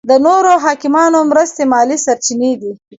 د نورو حاکمانو مرستې مالي سرچینې دي.